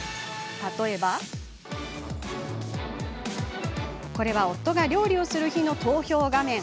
例えばこれは、夫が料理する日の投票画面。